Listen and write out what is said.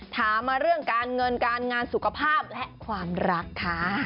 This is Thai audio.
ถามมาเรื่องการเงินการงานสุขภาพและความรักค่ะ